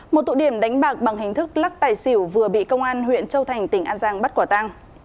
một tụ điểm đánh bạc bằng hình thức lắc tài xỉu vừa bị công an huyện châu thành tỉnh an giang bắt quả tang